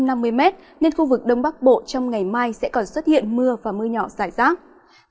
nên khu vực đông bắc bộ trong ngày mai sẽ còn xuất hiện mưa và mưa nhỏ dài rác